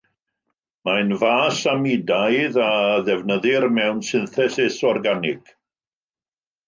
Mae'n fas amidaidd a ddefnyddir mewn synthesis organig.